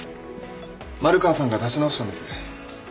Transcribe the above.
丸川さんが出し直したんです。